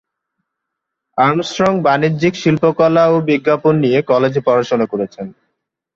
Armstrong বাণিজ্যিক শিল্পকলা ও বিজ্ঞাপন নিয়ে কলেজে পড়াশোনা করেছেন।